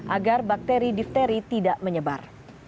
agar bakteri difteri tidak menyebar